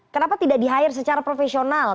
kenapa tidak di hire secara profesional